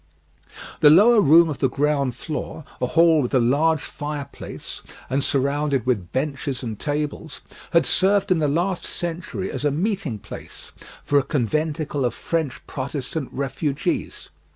The lower room of the ground floor, a hall with a large fireplace and surrounded with benches and tables, had served in the last century as a meeting place for a conventicle of French Protestant refugees.